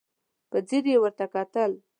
په ځير يې ورته وکتل.